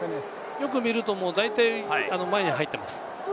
よく見ると大体前に入っています。